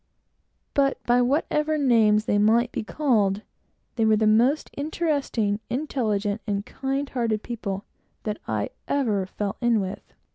But by whatever names they might be called, they were the most interesting, intelligent, and kind hearted people that I ever fell in with.